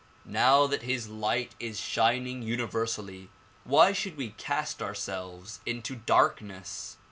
Now that his light is shining universally why should we cast our selves into darkness"?